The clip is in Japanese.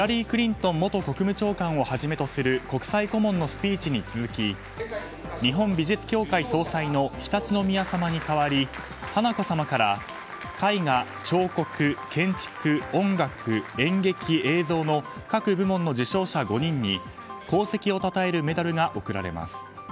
アメリカのヒラリー・クリントン元国務長官をはじめとする国際顧問のスピーチに続き日本美術協会総裁の常陸宮さまに代わり華子さまから絵画、彫刻、建築、音楽演劇・映像の各部門の受賞者５人に功績をたたえるメダルが贈られます。